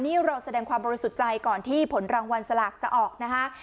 นี่เราแสดงความบริสุทธิ์ใจก่อนที่ผลรางวัลสลากจะออกนะคะ